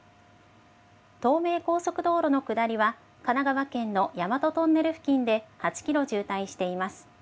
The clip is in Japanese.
東名高速道路の下りは、神奈川県の大和トンネル付近で８キロ渋滞しています。